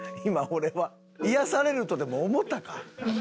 癒やされるとでも思ったか？